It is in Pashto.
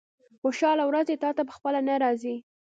خوشاله ورځې تاته په خپله نه راځي.